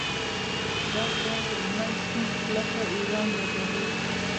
دا ځای هلمند سیند خوله پر ایران لګوي.